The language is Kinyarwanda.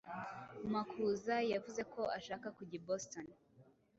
Makuza yavuze ko ashaka kujya i Boston.